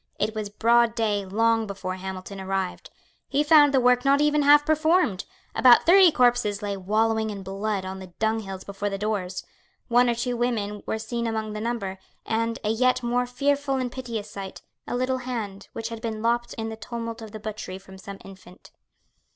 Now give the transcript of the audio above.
It was broad day long before Hamilton arrived. He found the work not even half performed. About thirty corpses lay wallowing in blood on the dunghills before the doors. One or two women were seen among the number, and, a yet more fearful and piteous sight, a little hand, which had been lopped in the tumult of the butchery from some infant.